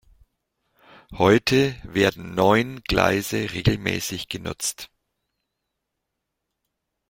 Heute werden neun Gleise regelmäßig genutzt.